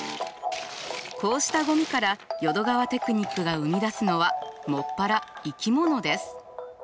こうしたゴミから淀川テクニックが生み出すのは専ら生き物です。